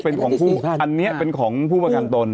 คืออันนี้เป็นของผู้ประกันตน